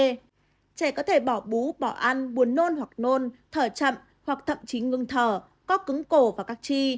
trẻ có thể bỏ bú bỏ ăn buồn nôn hoặc nôn thở chậm hoặc thậm chí ngưng thở có cứng cổ và các chi